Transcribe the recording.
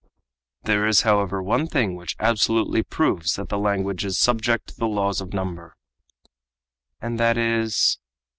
"There is, however, one thing which absolutely proves that the language is subject to the laws of number." "And that is?"